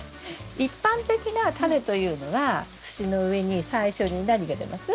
一般的なタネというのは土の上に最初に何が出ます？